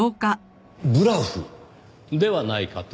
ブラフ？ではないかと。